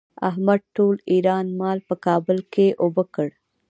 احمد ټول ايران مال په کابل کې اوبه کړ.